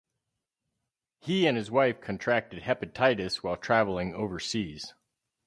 He and his wife contracted hepatitis while traveling overseas.